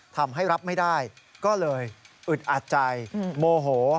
ทำให้รับไม่ได้ก็เลยอึดอัดใจโมโห